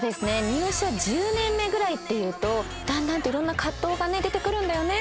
入社１０年目ぐらいっていうとだんだんといろんな葛藤がね出てくるんだよね。